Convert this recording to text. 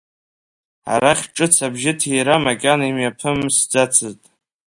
Арахь ҿыц абжьыҭира макьана имҩаԥымысӡацызт.